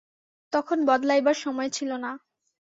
তখন বদলাইবার সময় ছিল না।